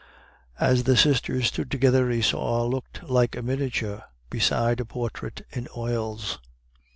As the sisters stood together, Isaure looked like a miniature beside a portrait in oils.